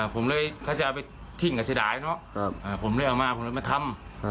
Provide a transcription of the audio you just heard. ผมเลยเขาจะเอาไปทิ้งกับเสียดายเนอะผมเลยเอามาผมเลยมาทำ